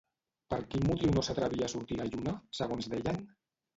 Per quin motiu no s'atrevia a sortir la lluna, segons deien?